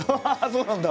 そうなんだ。